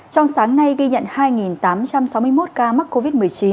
trong sáng nay ghi nhận hai tám trăm sáu mươi một ca mắc covid một mươi chín